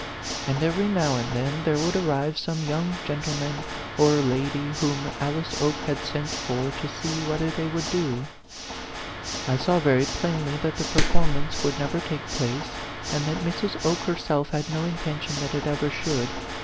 And every now and then there would arrive some young gentleman or 100 A PHANTOM LOVER. lady, whom Alice Oke had sent for to see whether they would do. I saw very plainly that the performance would never take place, and that Mrs. Oke herself had no intention that it ever should.